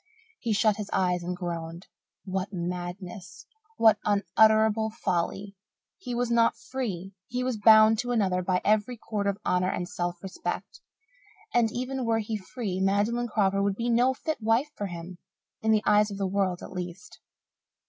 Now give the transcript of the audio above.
He shut his eyes and groaned. What madness. What unutterable folly! He was not free he was bound to another by every cord of honour and self respect. And, even were he free, Magdalen Crawford would be no fit wife for him in the eyes of the world, at least.